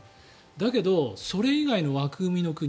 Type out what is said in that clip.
だけど、それ以外の枠組みの国。